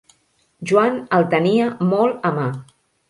Joan el tenia molt a mà.